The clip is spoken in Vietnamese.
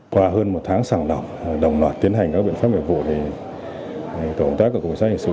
qua hơn một tháng sẵn lỏng đồng loạt tiến hành các biện pháp miệng vụ thì tổng tác của cục cảnh sát hình sự